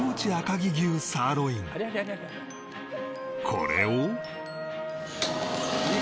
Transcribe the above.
これを